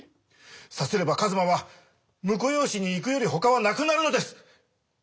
さすれば一馬は婿養子に行くよりほかはなくなるのです！